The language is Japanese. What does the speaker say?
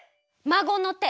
まごの手！？